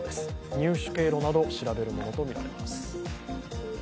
入手経路などを調べるものとみられます。